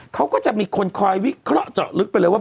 เขาก็จะมีคนคอยวิเคราะห์เจาะลึกไปเลยว่า